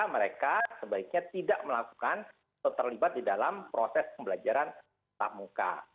mereka sebaiknya tidak melakukan atau terlibat di dalam proses pembelajaran tetap muka